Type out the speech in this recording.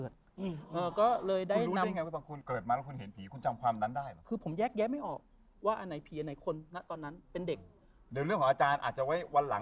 เดี๋ยวเรื่องของอาจารย์อาจจะไว้วันหลัง